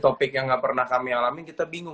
topik yang gak pernah kami alami kita bingung